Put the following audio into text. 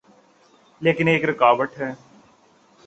لیکن ایک رکاوٹ ہے۔